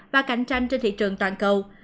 và cạnh tranh trên thị trường toàn cầu